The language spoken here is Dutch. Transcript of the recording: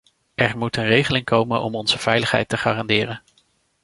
Er moet een regeling komen om onze veiligheid te garanderen.